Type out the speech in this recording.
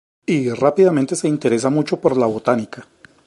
Y rápidamente se interesa mucho por la botánica.